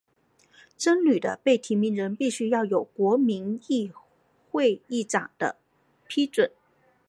僧侣的被提名人必须要有国民议会议长的批准。